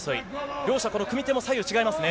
両者この組み手も左右違いますね。